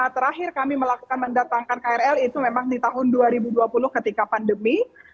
terakhir kami melakukan mendatangkan krl itu memang di tahun dua ribu dua puluh ketika pandemi